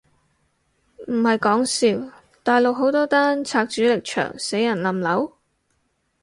唔係講笑，大陸好多單拆主力牆死人冧樓？